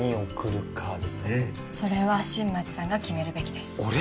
うんそれは新町さんが決めるべきです俺？